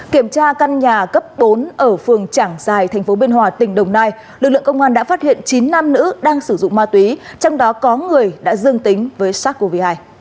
kiểm tra căn nhà cấp bốn ở phường trảng giài tp biên hòa tỉnh đồng nai lực lượng công an đã phát hiện chín nam nữ đang sử dụng ma túy trong đó có người đã dương tính với sars cov hai